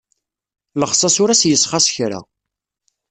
Lexṣaṣ ur as-yessxaṣ kra.